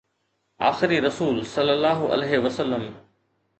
آخري رسول صلي الله عليه وسلم